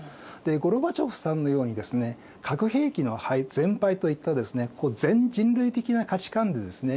ゴルバチョフさんのようにですね核兵器の全廃といったですね全人類的な価値観でですね